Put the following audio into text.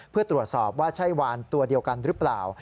เพื่อตรวจสอบว่าใช่วานตัวเดียวกันหรือเปล่า